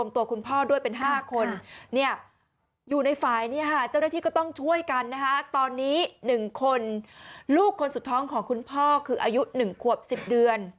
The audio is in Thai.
ต้องช่วยกันนะฮะตอนนี้๑คนลูกคนสุดท้องของคุณพ่อคืออายุ๑ขวบ๑๐เดือน